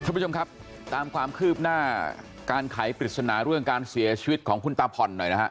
คุณผู้ชมครับตามความคืบหน้าการไขปริศนาเรื่องการเสียชีวิตของคุณตาผ่อนหน่อยนะฮะ